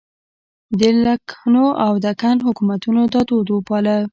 د لکنهو او دکن حکومتونو دا دود وپاله.